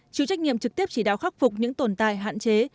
chịu trách nhiệm trực tiếp chỉ đạo khắc phục những tồn tại hạn chế